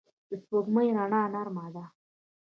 د سپوږمۍ رڼا نرمه ده